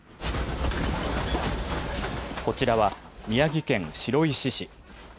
こちらは宮城県白石市。